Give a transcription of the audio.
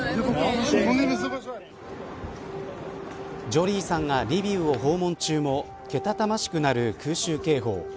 ジョリーさんがリビウを訪問中もけたたましく鳴る空襲警報。